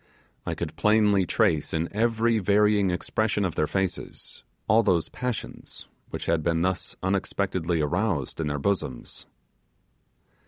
I could plainly trace, in every varying expression of their faces, all those passions which had been thus unexpectedly aroused in their bosoms.